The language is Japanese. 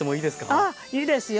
ああいいですよ。